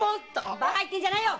バカ言ってるんじゃないよ！